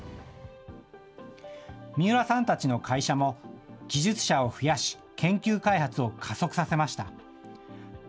三浦さんたちの会社も、技術者を増やし、研究開発を加速させました。